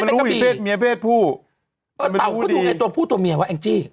เต่าก็ดูไงพวกเขถี่ตัวเมียไว้เองจิ